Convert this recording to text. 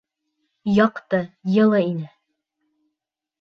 Яҡты, йылы ине.